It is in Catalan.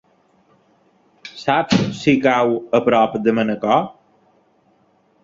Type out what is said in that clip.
Saps si cau a prop de Manacor?